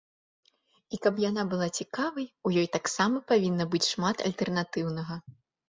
І, каб яна была цікавай, у ёй таксама павінна быць шмат альтэрнатыўнага.